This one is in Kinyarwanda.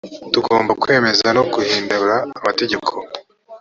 tugomba kwemeza no guhindura amategeko